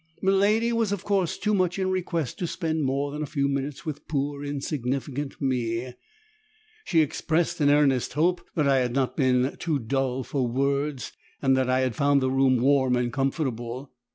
Miladi was of course too much in request to spend more than a few minutes with poor, insignificant me; she expressed an earnest hope that I had not been too dull for words and that I had found the room warm and comfortable.